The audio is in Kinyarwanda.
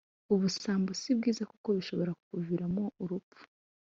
Ubusambo si bwiza kuko bishobora kukuviramo urupfu